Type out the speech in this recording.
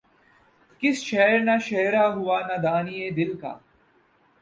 کس شہر نہ شہرہ ہوا نادانئ دل کا